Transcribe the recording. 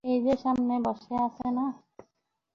এই যে সামনে বসে আছে না?